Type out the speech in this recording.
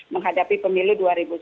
menghadapi pemilu dua ribu sembilan belas